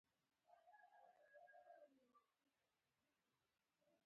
عالمانو له هماغه نړۍ څخه مناسب درک درلود.